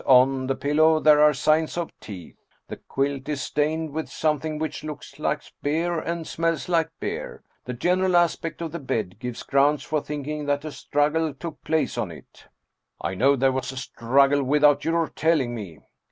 On the pillow there are signs of teeth. The quilt is stained with some thing which looks like beer and smells like beer. The general aspect of the bed gives grounds for thinking that a struggle took place on it." " I know there was a struggle, without your telling me